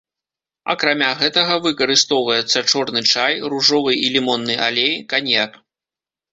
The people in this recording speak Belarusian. Акрамя гэтага, выкарыстоўваецца чорны чай, ружовы і лімонны алей, каньяк.